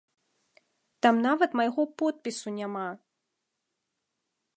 Там нават майго подпісу няма.